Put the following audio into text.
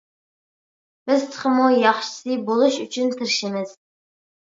بىز تېخىمۇ ياخشىسى بولۇش ئۈچۈن تىرىشىمىز!